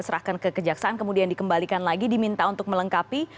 serahkan ke kejaksaan kemudian dikembalikan lagi diminta untuk melengkapi